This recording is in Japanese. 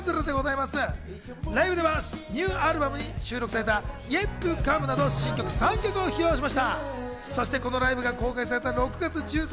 ライブではニューアルバムに収録された『ＹｅｔＴｏＣｏｍｅ』など新曲３曲を披露しました。